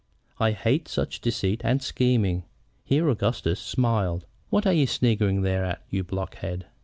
I hate such deceit and scheming." Here Augustus smiled. "What are you sniggering there at, you blockhead?"